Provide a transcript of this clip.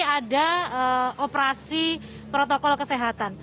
ada operasi protokol kesehatan